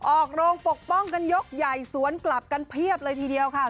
ออกโรงปกป้องกันยกใหญ่สวนกลับกันเพียบเลยทีเดียวค่ะ